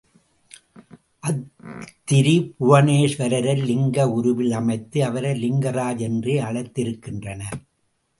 அத்திரிபுவனேஸ்வரரை லிங்க உருவில் அமைத்து அவரை லிங்கராஜ் என்றே அழைத்திருக்கின்றனர்.